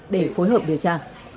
để phối hợp điều tra